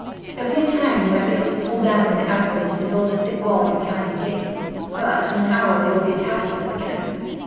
"If we had time, we might pull down one of the outbuildings and build a thick wall behind the gates; but in an hour they will be attacking us again."